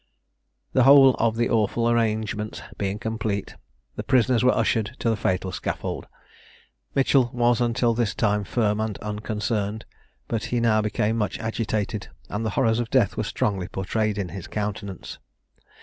The whole of the awful arrangements being complete, the prisoners were ushered to the fatal scaffold. Mitchell was until this time firm and unconcerned; but he now became much agitated, and the horrors of death were strongly portrayed in his countenance.